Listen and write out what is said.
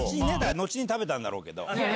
後に食べたんだろうけど。